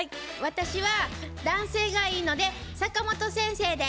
私は男性がいいので坂本先生で。